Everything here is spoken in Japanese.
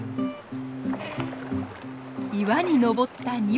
岩に登った２羽。